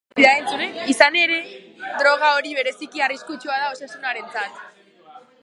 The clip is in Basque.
Izan ere, droga hori bereziki arriskutsua da osasunarentzat.